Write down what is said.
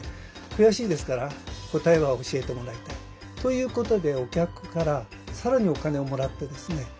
悔しいですから答えは教えてもらいたい。ということでお客から更にお金をもらってですね